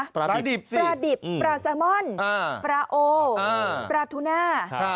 ปลาดิบสิปลาดิบปลาแซลมอนปลาโอปลาทูน่า